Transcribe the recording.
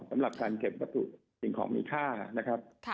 สำหรับทางเก็บประสุทธิ์สิ่งของมีค่านะครับ